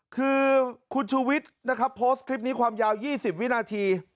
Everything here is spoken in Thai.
คือคุณชูวิทย์นะครับโพสต์คลิปนี้ความยาว๒๐วินาที